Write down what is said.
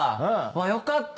よかった。